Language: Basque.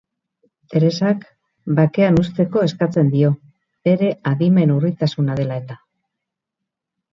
Teresak bakean uzteko eskatzen dio, bere adimen urritasuna dela eta.